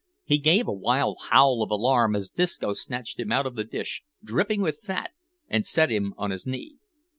He gave a wild howl of alarm as Disco snatched him out of the dish, dripping with fat, and set him on his knee.